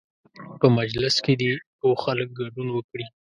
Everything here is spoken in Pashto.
په مجلس کې دې پوه خلک ګډون وکړي.